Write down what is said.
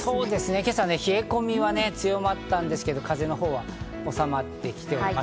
今朝、冷え込みは強まったんですが、風のほうはおさまってきております。